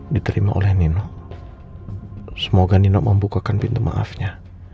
diterima oleh nino semoga nino membukakan pintu maafnya